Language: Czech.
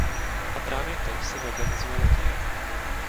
A právě to se ve Venezuele děje.